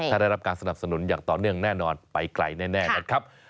ถ้าได้รับการสนับสนุนอย่างต่อเนื่องแน่นอนไปไกลแน่นะครับ